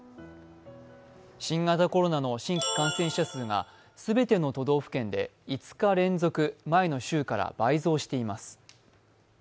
新型コロナの新規感染者数が全ての都道府県で５日連続、前の週から倍増しています。